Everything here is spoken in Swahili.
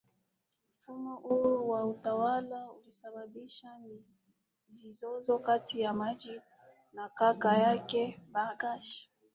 Mfumo huu wa utawala ulisababisha mizozo kati ya Majid na kaka yake Bargash